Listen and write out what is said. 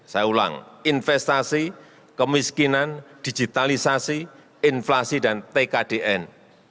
saya ulang investasi kemiskinan digitalisasi inflasi dan tkdn